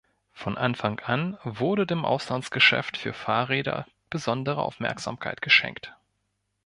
Von Anfang an wurde dem Auslandsgeschäft für Fahrräder besondere Aufmerksamkeit geschenkt.